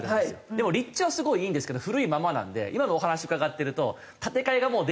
でも立地はすごいいいんですけど古いままなんで今のお話伺ってると建て替えがもうできないって事ですよね。